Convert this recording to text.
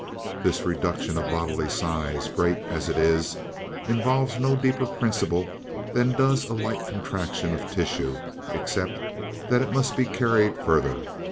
"This reduction of bodily size, great as it is, involves no deeper principle than does a light contraction of tissue, except that it must be carried further.